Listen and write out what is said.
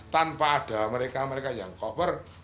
tanpa ada mereka mereka yang cover